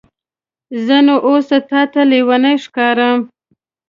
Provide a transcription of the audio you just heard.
زه نو اوس تاته لیونی ښکارم؟